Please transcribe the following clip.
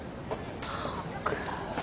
ったく。